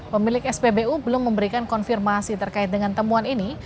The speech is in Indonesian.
pemilik spbu belum memberikan konfirmasi terkait dengan temuan ini